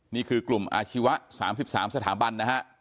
นี่คือกลุ่มอาชีวะ๓๓สถาบันนะฮะ